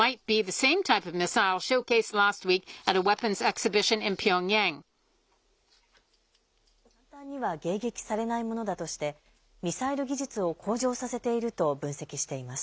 専門家は、非常に複雑な動きができ、簡単には迎撃されないものだとして、ミサイル技術を向上させていると分析しています。